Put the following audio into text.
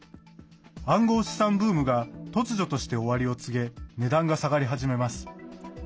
暗号資産ブームが突如として終わりを告げ値段が下がり始めます。